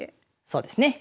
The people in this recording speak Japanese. そうですね。